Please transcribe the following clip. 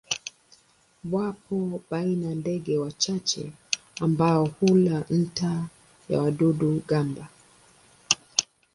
Wapo baina ndege wachache ambao hula nta ya wadudu-gamba.